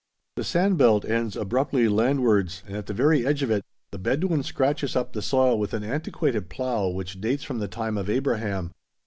The sand belt ends abruptly landwards and, at the very edge of it, the Bedouin scratches up the soil with an antiquated plough which dates from the time of Abraham.